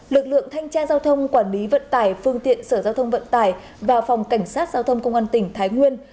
lực lượng thanh tra giao thông quản lý vận tải phương tiện sở giao thông vận tải và phòng cảnh sát giao thông công an tỉnh thái nguyên